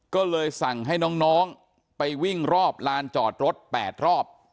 ก็เลยสั่งให้น้องไปวิ่งรอบลานจอดรถ๘รอบ